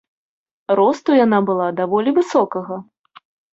Росту яна была даволі высокага.